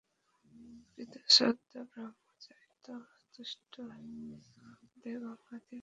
কৃতশ্রাদ্ধ ব্রহ্মচারিচতুষ্টয় ইতোমধ্যে গঙ্গাতে পিণ্ডাদি নিক্ষেপ করিয়া আসিয়া স্বামীজীর পাদপদ্ম বন্দনা করিলেন।